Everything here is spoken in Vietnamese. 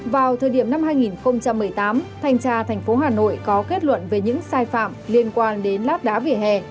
vào thời điểm năm hai nghìn một mươi tám thanh tra thành phố hà nội có kết luận về những sai phạm liên quan đến lát đá vỉa hè